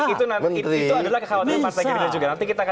itu adalah kesalahan pancasila juga